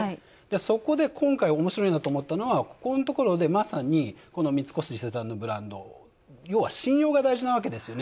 そこで、今回おもしろいなと思ったのは、ここのところでまさに三越伊勢丹のブランド、要は信用が大事なわけですよね。